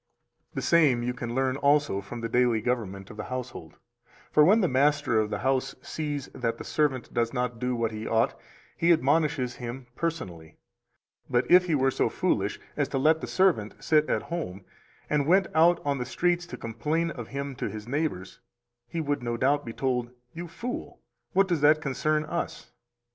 277 The same you can learn also from the daily government of the household. For when the master of the house sees that the servant does not do what he ought, he admonishes him personally. But if he were so foolish as to let the servant sit at home, and went on the streets to complain of him to his neighbors, he would no doubt be told: "You fool, what does that concern us?